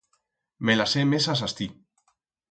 Me las he mesas astí.